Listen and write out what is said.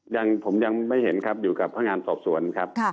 ยังผมยังไม่เห็นครับอยู่กับพนักงานสอบสวนครับ